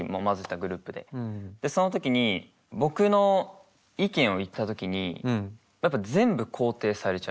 その時に僕の意見を言った時にやっぱ全部肯定されちゃう。